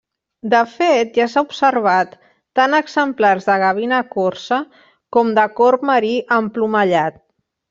De fet ja s’ha observat tant exemplars de gavina corsa com de corb marí emplomallat.